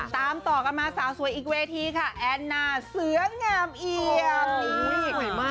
ตามต่อกันมาสาวสวยอีกเวทีค่ะแอนนาเสืองามเอียบ